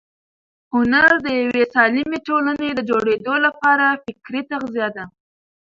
هنر د یوې سالمې ټولنې د جوړېدو لپاره فکري تغذیه ده.